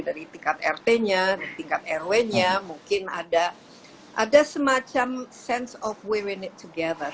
dari tingkat rt nya tingkat rw nya mungkin ada semacam sense of we were in it together